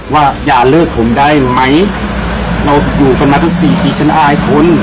ว่าอย่าเลิกผมได้ไหมเราอยู่กันมาตั้งสี่ปีฉันอายคน